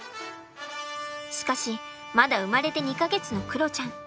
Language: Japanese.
しかしまだ生まれて２か月のクロちゃん。